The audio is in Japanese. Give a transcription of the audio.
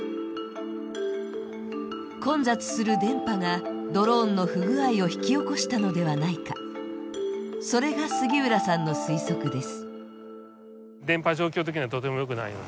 混雑する電波がドローンの不具合を引き起こしたのではないか、それが杉浦さんの推測です。